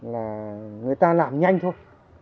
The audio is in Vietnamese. là người ta làm nhanh thôi